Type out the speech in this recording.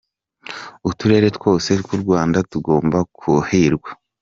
Uturere twose tw’u Rwanda tugomba kuhirwa….